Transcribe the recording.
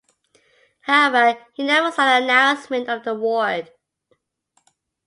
However, he never saw the announcement of the award.